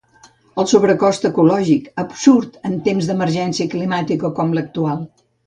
El sobrecost ecològic, absurd en temps d'emergència climàtica com l'actual.